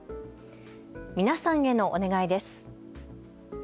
皆さんへのお願いです。